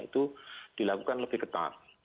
itu dilakukan lebih ketat